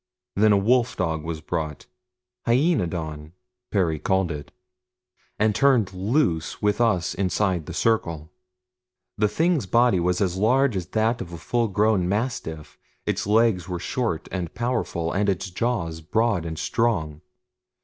Then a wolf dog was brought HYAENODON Perry called it and turned loose with us inside the circle. The thing's body was as large as that of a full grown mastiff, its legs were short and powerful, and its jaws broad and strong.